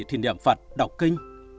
thì niệm phật đọc kinh